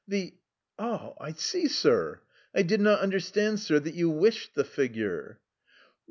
"The ? I see, sir. I did not understand, sir, that you wished the figure."